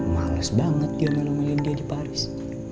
males banget dia malah melihat dia di paris